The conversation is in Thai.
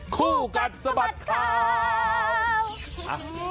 คู่กัดสะบัดข่าว